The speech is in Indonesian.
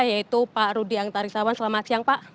yaitu pak rudi angtarisawan selamat siang pak